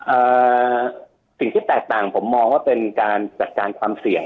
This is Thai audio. เอ่อสิ่งที่แตกต่างผมมองว่าเป็นการจัดการความเสี่ยง